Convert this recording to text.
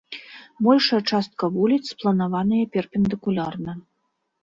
Большая частка вуліц спланаваная перпендыкулярна.